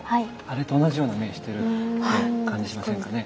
あれと同じような目してる感じしませんかね。